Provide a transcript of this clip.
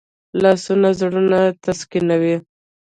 لاسونه زړونه تسکینوي